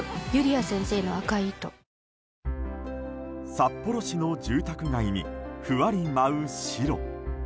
札幌市の住宅街にふわり舞う白。